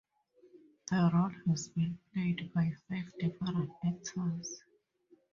The role has been played by five different actors.